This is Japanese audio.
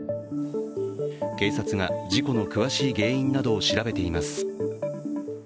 警察が事故の詳しい原因などを調べています。